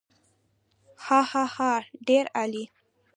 هاهاها ډېر عالي.